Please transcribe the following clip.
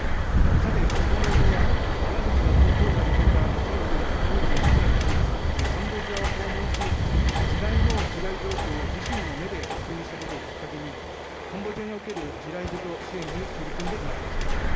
さて、公明党は山口那津男党代表が１９９１年にカンボジアを訪問し、地雷の被害状況を自身の目で確認したことをきっかけに、カンボジアにおける地雷除去支援に取り組んでまいりました。